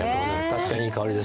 確かにいい香りですね。